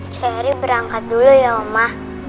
sehari berangkat dulu ya oma